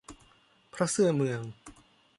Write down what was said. พระเสื้อเมือง